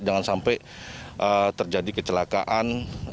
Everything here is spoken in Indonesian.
jangan sampai terjadi kecelakaan